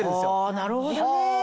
なるほどね。